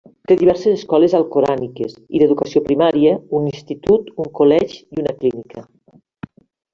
Té diverses escoles alcoràniques i d'educació primària, un institut, un college i una clínica.